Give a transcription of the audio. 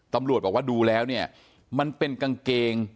ตำรวจบอกว่าดูแล้วเนี่ยมันเป็นกางเกง